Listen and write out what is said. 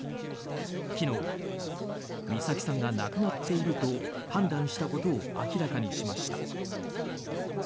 昨日、美咲さんが亡くなっていると判断したことを明らかにしました。